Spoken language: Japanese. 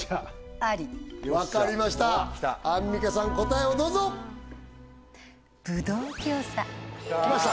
あり分かりましたアンミカさん答えをどうぞきました